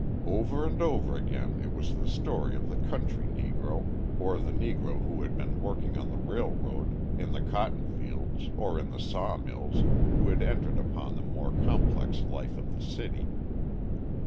Over and over again it was the story of the country Negro, or the Negro who had been working on the railroad, in the cotton fields or in the sawmills, who had entered upon the more complex life of the city.